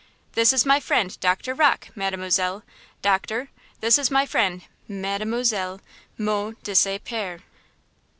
"This is my friend, Doctor Rocke, Mademoiselle; Doctor, this is my friend, Mademoiselle Mont de St. Pierre!"